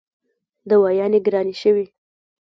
دوايانې ګرانې شوې